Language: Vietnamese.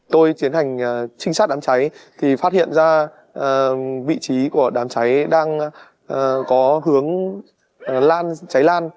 tôi tiến hành trinh sát đám cháy thì phát hiện ra vị trí của đám cháy đang có hướng lan cháy lan